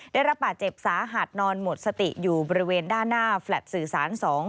ได้รับบาดเจ็บสาหัสนอนหมดสติอยู่บริเวณด้านหน้าแฟลตสื่อสาร๒